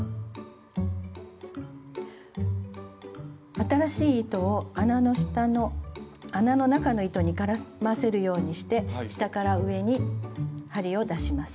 新しい糸を穴の中の糸に絡ませるようにして下から上に針を出します。